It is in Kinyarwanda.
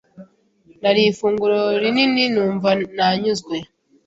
Nariye ifunguro rinini numva nanyuzwe.